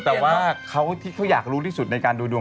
แต่ว่าเขาที่เขาอยากรู้ที่สุดในการดูดวง